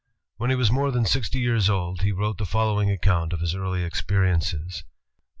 When he was more than sixty years old, he wrote the following account of his early experiences.